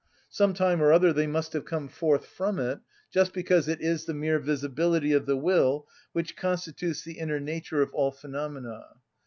Some time or other they must have come forth from it, just because it is the mere visibility of the will which constitutes the inner nature of all phenomena.